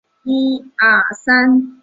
后转任三司理欠凭由司。